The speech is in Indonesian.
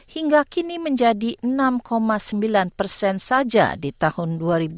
hingga kini menjadi enam sembilan saja di tahun dua ribu sembilan belas